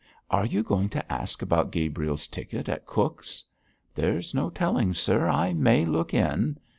'Are you going to ask about Gabriel's ticket at Cook's?' 'There's no telling, sir. I may look in.'